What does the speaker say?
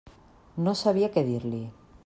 No sabia què dir-li.